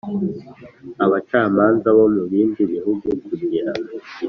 abacamanza bo mu bindi bihugu kugira